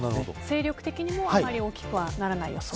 勢力的にもあまり大きくはならない予想。